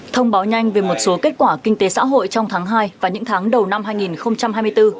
thông báo nhanh về một số kết quả kinh tế xã hội trong tháng hai và những tháng đầu năm hai nghìn hai mươi bốn